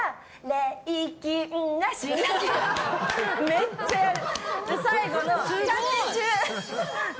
めっちゃやる。